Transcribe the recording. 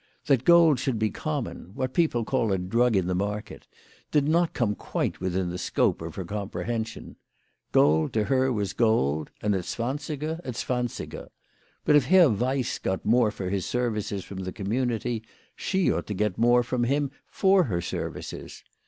That gold should be common, what people call a drug in the market, did not come quite within the scope of her com prehension. Gold to her was gold, and a zwansiger a zwansiger. But if Herr "Weiss got more for his ser vices from the community, she ought to get more from him for her services.